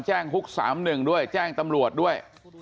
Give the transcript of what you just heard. แจ้งฮุกสามหนึ่งด้วยแจ้งตำรวจด้วย